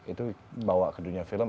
itu bawa ke dunia film